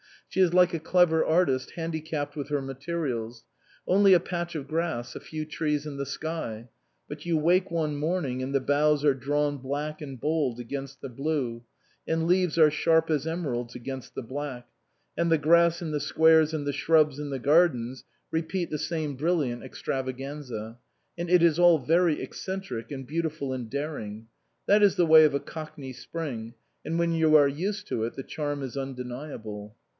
She is like a clever artist handicapped with her materials. Only a patch of grass, a few trees and the sky ; but you wake one morning and the boughs are drawn black and bold against the blue ; and leaves are sharp as emeralds against the black ; and the grass in the squares and the shrubs in the gardens repeat the same brilliant extrava ganza ; and it is all very eccentric and beautiful and daring. That is the way of a Cockney Spring, and when you are used to it the charm is undeniable.